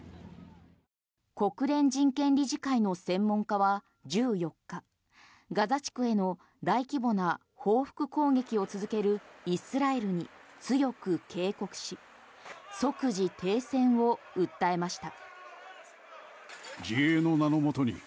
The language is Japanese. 国連人権理事会の専門家は１４日ガザ地区への大規模な報復攻撃を続けるイスラエルに強く警告し即時停戦を訴えました。